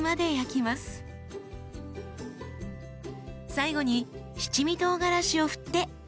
最後に七味とうがらしを振って完成です。